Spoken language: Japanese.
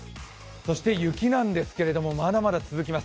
そして雪なんですけれども、まだまだ続きます。